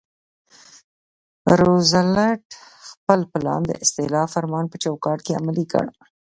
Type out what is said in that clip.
روزولټ خپل پلان د اصلاح فرمان په چوکاټ کې عملي کړ.